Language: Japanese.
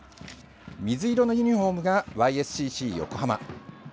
水色のユニフォームがＹ．Ｓ．Ｃ．Ｃ．横浜。